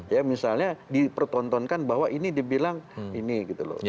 ya misalnya dipertontonkan bahwa ini dibilang ini gitu loh